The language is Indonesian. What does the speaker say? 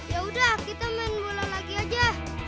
yaudah kita main bola lagi aja